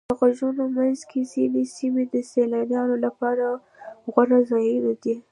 د غرونو منځ کې ځینې سیمې د سیلانیانو لپاره غوره ځایونه دي.